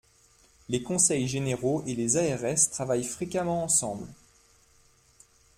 Les conseils généraux et les ARS travaillent fréquemment ensemble.